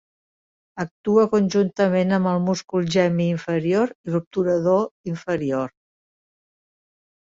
Actua conjuntament amb el múscul gemin inferior i l'obturador inferior.